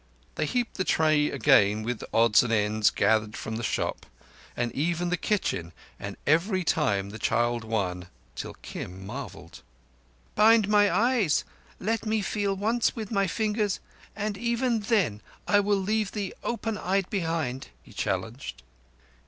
They heaped the tray again with odds and ends gathered from the shop, and even the kitchen, and every time the child won, till Kim marvelled. "Bind my eyes—let me feel once with my fingers, and even then I will leave thee opened eyed behind," he challenged.